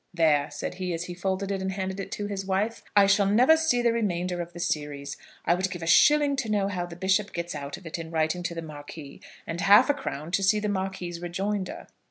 "There," said he, as he folded it, and handed it to his wife, "I shall never see the remainder of the series. I would give a shilling to know how the bishop gets out of it in writing to the Marquis, and half a crown to see the Marquis's rejoinder."